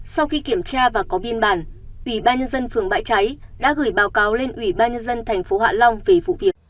sau khi kiểm tra và có biên bản ủy ban nhân dân phường bãi cháy đã gửi báo cáo lên ủy ban nhân dân tp hạ long về vụ việc